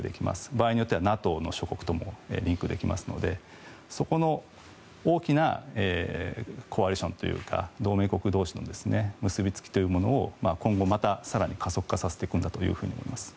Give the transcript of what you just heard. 場合によってはＮＡＴＯの諸国ともリンクできますのでそこの大きなコアリションというか同盟国同士の結びつきというものを今後、更に加速化させていくんだと思います。